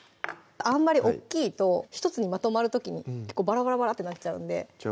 あんまり大っきいと１つにまとまる時に結構バラバラってなっちゃうんでじゃ